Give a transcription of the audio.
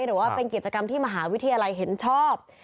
หรือว่าเป็นกิจกรรมที่มหาวิทยาลัยเห็นชอบ